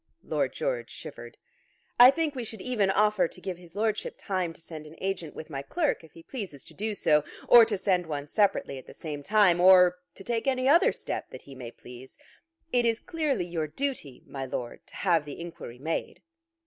Lord George shivered. "I think we should even offer to give his Lordship time to send an agent with my clerk if he pleases to do so, or to send one separately at the same time, or to take any other step that he may please. It is clearly your duty, my Lord, to have the inquiry made."